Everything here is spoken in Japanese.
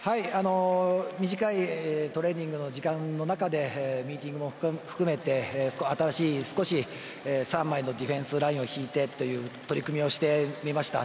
短いトレーニングの時間の中でミーティングも含めまして新しく３枚のディフェンスラインを敷いてという取り組みをしてみました。